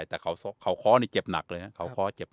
แต่นี่มันเจ็บหนักเลยครับ